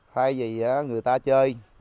thay vì người ta chơi